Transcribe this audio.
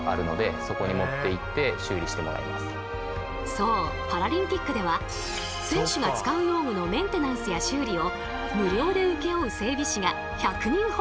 そうパラリンピックでは選手が使う用具のメンテナンスや修理を無料で請け負う整備士が１００人ほど稼働。